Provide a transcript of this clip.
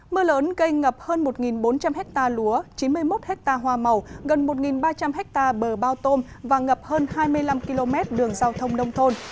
mưa lớn gây ngập hơn một bốn trăm linh hectare lúa chín mươi một ha hoa màu gần một ba trăm linh ha bờ bao tôm và ngập hơn hai mươi năm km đường giao thông nông thôn